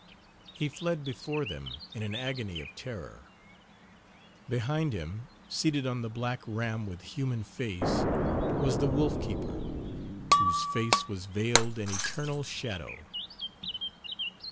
He fled before them in an agony of terror behind him, seated on the black ram with human face, was the wolf keeper, whose face was veiled in eternal shadow.